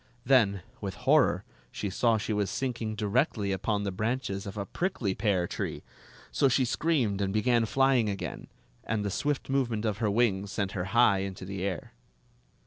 Then, with horror, she saw she was sinking directly upon the branches of a prickly pear tree; so she screamed and began flying again, and the swift movement of her wings sent her high into the air.